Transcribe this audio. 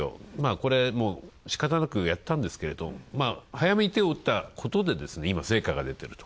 これ、しかたなくやったんですけど、早めに手を打ったことで今、成果が出てると。